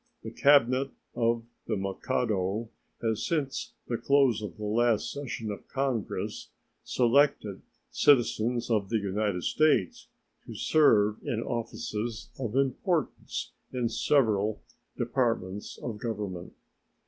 The cabinet of the Mikado has since the close of the last session of Congress selected citizens of the United States to serve in offices of importance in several departments of Government.